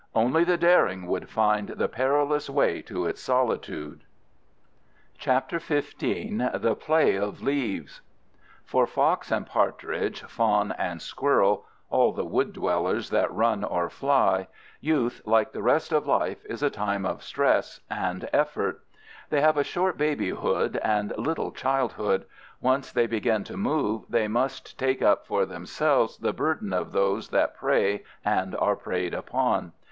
Only the daring would find the perilous way to its solitude. CHAPTER XV. THE PLAY OF LEAVES For fox and partridge, fawn and squirrel—all the wood dwellers that run or fly—youth, like the rest of life, is a time of stress and effort. They have a short babyhood and little childhood. Once they begin to move they must take up for themselves the burden of those that prey and are preyed upon.